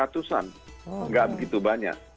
tidak begitu banyak